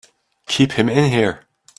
Keep him in here!